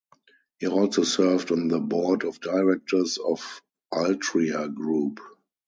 He also served on the board of directors of Altria Group.